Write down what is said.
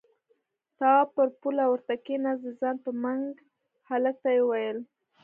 تواب پر پوله ورته کېناست، د ځان په منګ هلک ته يې وويل: